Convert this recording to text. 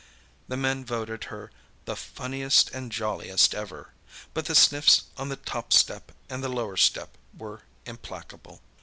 The men voted her "the funniest and jolliest ever," but the sniffs on the top step and the lower step were implacable.